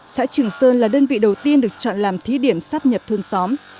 xã trường sơn là đơn vị đầu tiên được chọn làm thí điểm sắp nhập thôn xóm